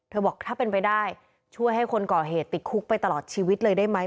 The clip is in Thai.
บอกถ้าเป็นไปได้ช่วยให้คนก่อเหตุติดคุกไปตลอดชีวิตเลยได้ไหม